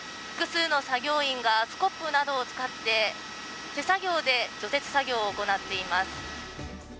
複数の作業員がスコップなどを使って手作業で除雪作業を行っています。